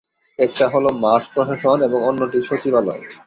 একটা হল মাঠ প্রশাসন এবং অন্যটি সচিবালয়।